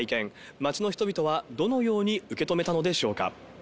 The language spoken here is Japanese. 街の人々はどのように受け止めたのでしょうか。